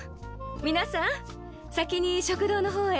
皆さん先に食堂のほうへ。